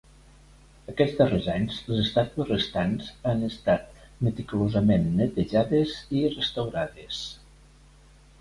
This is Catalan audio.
Aquests darrers anys, les estàtues restants han estat meticulosament netejades i restaurades.